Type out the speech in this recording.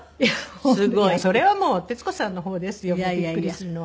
すごい！それはもう徹子さんの方ですよビックリするのは。